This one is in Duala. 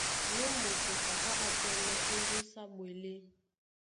Nú moto a tá á tɛ́mɛ̀ ómbúsá ɓwelé.